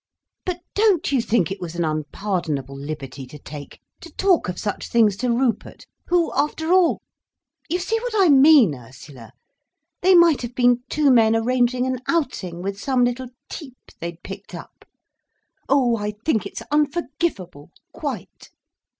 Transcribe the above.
"But don't you think it was an unpardonable liberty to take—to talk of such things to Rupert—who after all—you see what I mean, Ursula—they might have been two men arranging an outing with some little type they'd picked up. Oh, I think it's unforgivable, quite!"